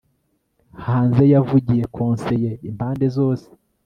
Hanze yavugiye Konseye impande zose